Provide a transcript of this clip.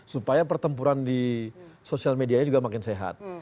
supaya pertempuran di sosial medianya juga makin sehat